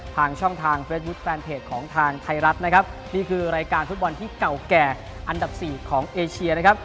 ทางช่องทางเฟซบุ๊คแฟนเพจของทางไทยรัฐนะครับนี่คือรายการฟุตบอลที่เก่าแก่อันดับสี่ของเอเชียนะครับ